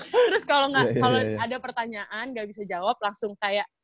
terus kalau ada pertanyaan nggak bisa jawab langsung kayak